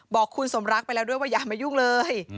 บอกคุณสมรักไปแล้วด้วยว่าอย่ามายุ่งเลย